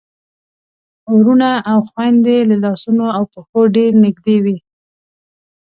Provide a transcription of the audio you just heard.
وروڼه او خويندې له لاسونو او پښو ډېر نږدې وي.